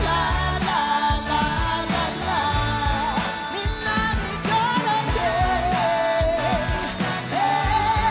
みんなに届け！